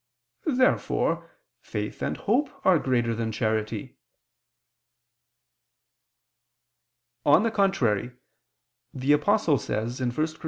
Therefore faith and hope are greater than charity. On the contrary, The Apostle says (1 Cor.